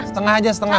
setengah aja setengah